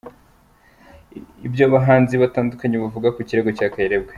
Ibyo abahanzi batandukanye bavuga ku kirego cya Kayirebwa